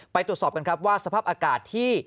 ไปตรวจสอบกันครับว่าสภาพอากาศที่